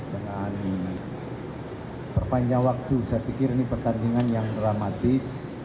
dengan perpanjang waktu saya pikir ini pertandingan yang dramatis